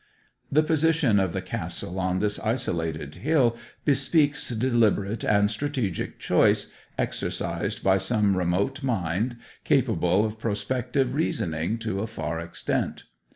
The position of the castle on this isolated hill bespeaks deliberate and strategic choice exercised by some remote mind capable of prospective reasoning to a far extent.